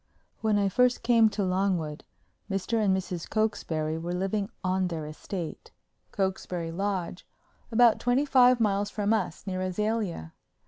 When I first came to Longwood, Mr. and Mrs. Cokesbury were living on their estate, Cokesbury Lodge, about twenty five miles from us, near Azalea.